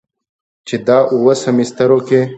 چې دا اووه سميسترو کې